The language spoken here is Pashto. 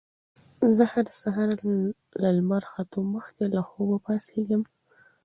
زه هر سهار له لمر ختو مخکې له خوبه پاڅېږم